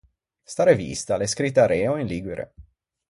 Sta revista a l’é scrita areo in ligure.